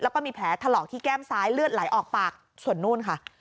แล้วก็มีแผลถลอกที่แก้มซ้ายเลือดไหลออกปากส่วนนู่นค่ะ